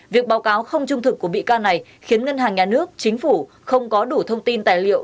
việc báo cáo không trung thực của bị can này khiến ngân hàng nhà nước chính phủ không có đủ thông tin tài liệu